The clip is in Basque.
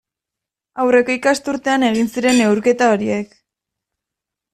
Aurreko ikasturtean egin ziren neurketa horiek.